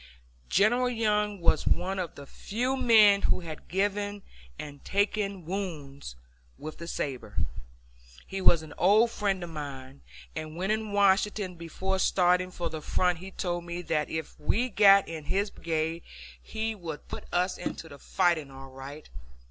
General Young was one of the few men who had given and taken wounds with the saber. He was an old friend of mine, and when in Washington before starting for the front he told me that if we got in his brigade he would put us into the fighting all right.